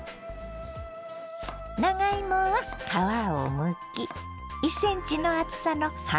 長芋は皮をむき１ｃｍの厚さの半月切りに。